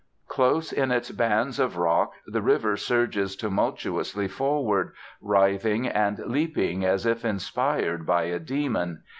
Close in its bands of rock the river surges tumultuously forward, writhing and leaping as if inspired by a demon.